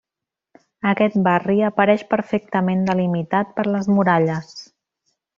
Aquest barri apareix perfectament delimitat per les muralles.